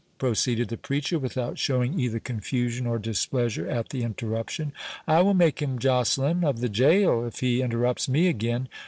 proceeded the preacher, without showing either confusion or displeasure at the interruption,—"I will make him Joceline of the jail, if he interrupts me again.